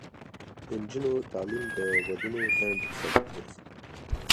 د نجونو تعلیم د ودونو ځنډ سبب ګرځي.